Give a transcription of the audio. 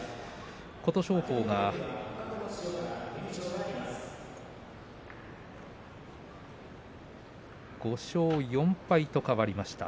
琴勝峰が５勝４敗と変わりました。